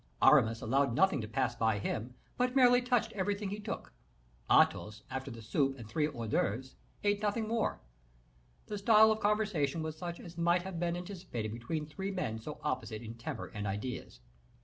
Aramis allowed nothing to pass by him, but merely touched everything he took; Athos, after the soup and three hors d'oeuvres, ate nothing more. The style of conversation was such as might have been anticipated between three men so opposite in temper and ideas.